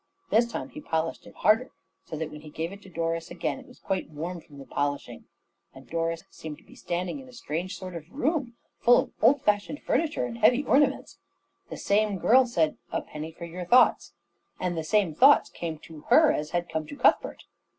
This time he polished it harder, so that when he gave it to Doris again it was quite warm from the polishing; and Doris seemed to be standing in a strange sort of room, full of old fashioned furniture and heavy ornaments. The same girl said, "A penny for your thoughts," and the same thoughts came to her as had come to Cuthbert.